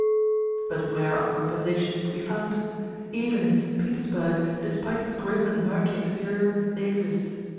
But where are compensations to be found? Even in St. Petersburg, despite its grim and murky exterior, they exist.